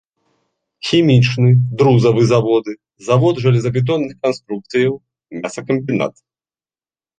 Хімічны, друзавы заводы, завод жалезабетонных канструкцыя, мясакамбінат.